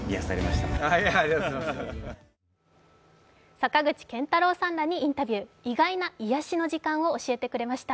坂口健太郎さんらにインタビュー意外な癒やしの時間を教えてくれました。